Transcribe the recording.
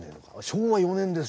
昭和４年ですよ。